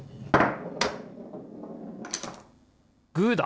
グーだ！